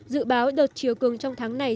dự báo đợt triều cường trong tháng này